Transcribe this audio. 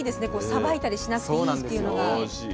さばいたりしなくていいっていうのが。